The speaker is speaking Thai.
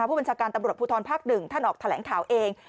ผู้บัญชาการตำรวจภูทรภาค๑ท่านออกแถลงข่าวเอง